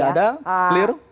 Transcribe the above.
tidak ada clear